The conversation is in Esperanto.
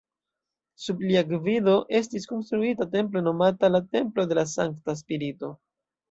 Sub lia gvido estis konstruita templo nomata la "Templo de la Sankta Spirito".